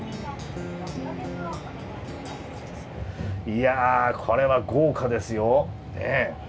いやこれは豪華ですよええ。